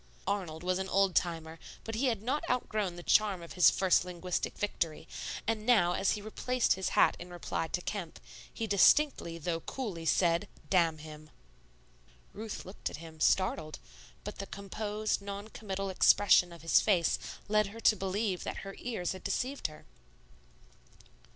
Arnold was an old timer, but he had not outgrown the charm of his first linguistic victory; and now as he replaced his hat in reply to Kemp, he distinctly though coolly said, "Damn him." Ruth looked at him, startled; but the composed, non committal expression of his face led her to believe that her ears had deceived her.